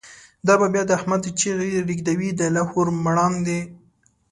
دا به بیا د« احمد» چیغی، ریږدوی د لاهور مړاندی